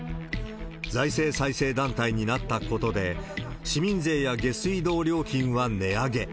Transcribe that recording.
財政再生団体になったことで、市民税や下水道料金は値上げ。